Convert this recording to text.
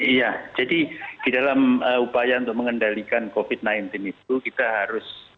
iya jadi di dalam upaya untuk mengendalikan covid sembilan belas itu kita harus